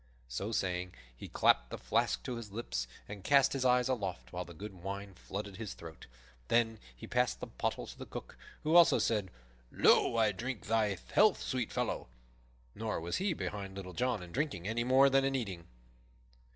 So saying, he clapped the flask to his lips and cast his eyes aloft, while the good wine flooded his throat. Then he passed the pottle to the Cook, who also said, "Lo, I drink thy health, sweet fellow!" Nor was he behind Little John in drinking any more than in eating.